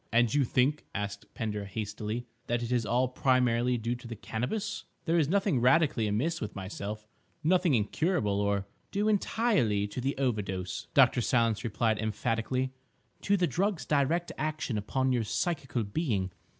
"And you think," asked Pender hastily, "that it is all primarily due to the Cannabis? There is nothing radically amiss with myself—nothing incurable, or—?" "Due entirely to the overdose," Dr. Silence replied emphatically, "to the drug's direct action upon your psychical being.